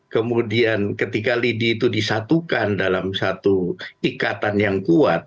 kemudian ketika lidi itu disatukan dalam satu ikatan yang kuat